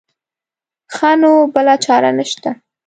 ښه نو بله چاره نه شته.